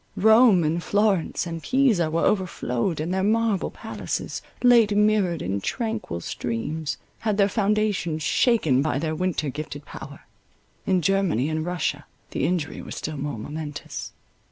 Rome, and Florence, and Pisa were overflowed, and their marble palaces, late mirrored in tranquil streams, had their foundations shaken by their winter gifted power. In Germany and Russia the injury was still more momentous.